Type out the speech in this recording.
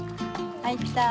はいった。